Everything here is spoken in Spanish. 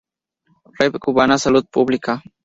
Rev Cubana Salud Pública.